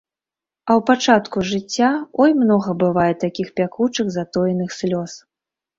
А ў пачатку жыцця, ой, многа бывае такіх пякучых затоеных слёз.